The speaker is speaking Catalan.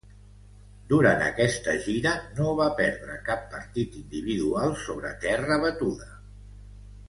Durant aquesta gira no va perdre cap partit individual sobre terra batuda.